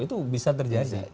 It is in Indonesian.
itu bisa terjadi